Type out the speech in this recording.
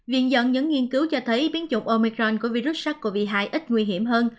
viện dẫn những nghiên cứu cho thấy biến chủng omicron của virus sars cov hai ít nguy hiểm hơn